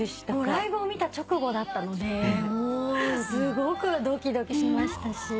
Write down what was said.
ライブを見た直後だったのでもうすごくドキドキしましたし。